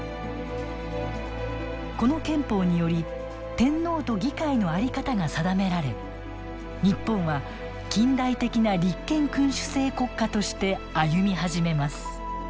この憲法により天皇と議会の在り方が定められ日本は近代的な立憲君主制国家として歩み始めます。